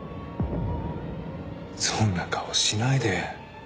そんな顔しないで。